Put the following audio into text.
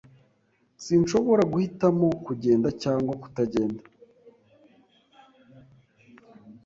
Sinshobora guhitamo kugenda cyangwa kutagenda.